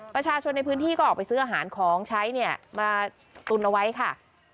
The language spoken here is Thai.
ประชาชนในพื้นที่ก็ออกไปซื้ออาหารของใช้เนี่ยมาตุนเอาไว้ค่ะ